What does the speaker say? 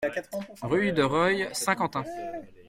Rue de Reuil, Saint-Quentin